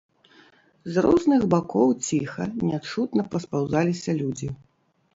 З розных бакоў ціха, нячутна паспаўзаліся людзі.